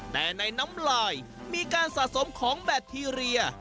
แต่ในน้ำลายมีการสะสมของแบคทีเรีย